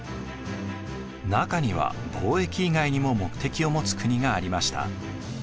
中には貿易以外にも目的を持つ国がありました。